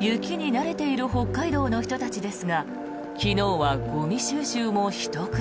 雪に慣れている北海道の人たちですが昨日はゴミ収集もひと苦労。